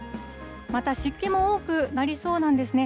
また、湿気も多くなりそうなんですね。